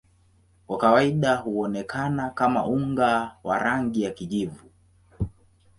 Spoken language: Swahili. Kwa kawaida huonekana kama unga wa rangi ya kijivu.